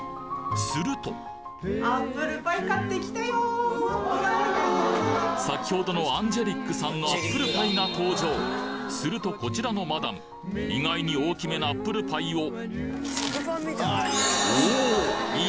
すると先ほどのアンジェリックさんのアップルパイが登場するとこちらのマダム意外に大きめなアップルパイをおおっ！